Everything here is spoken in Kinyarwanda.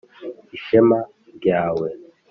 ishema ryawe